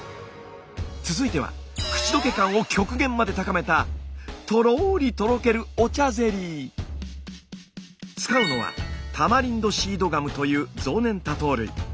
続いては口溶け感を極限まで高めたとろり使うのはタマリンドシードガムという増粘多糖類。